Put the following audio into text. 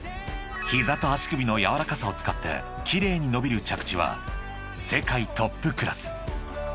［膝と足首のやわらかさを使って奇麗に伸びる着地は世界トップクラス］